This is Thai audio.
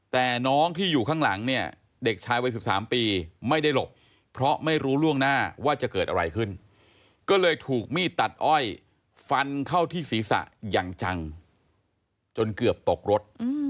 แต่น้องที่อยู่ข้างหลังเนี่ยเด็กชายวัย๑๓ปีไม่ได้หลบเพราะไม่รู้ล่วงหน้าว่าจะเกิดอะไรขึ้นก็เลยถูกมีดตัดอ้อยฟันเข้าที่ศีรษะอย่างจังจนเกือบตกรถ